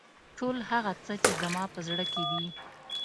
ټول هغه څه چې زما په زړه کې دي.